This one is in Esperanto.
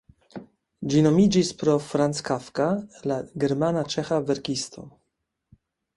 Ĝi nomiĝis pro Franz Kafka, la germana-ĉeĥa verkisto.